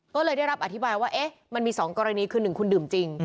ก็เลยได้รับอธิบายว่ามันมี๒กรณีคือ๑คุณดื่มจริง